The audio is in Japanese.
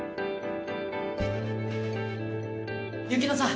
雪乃さん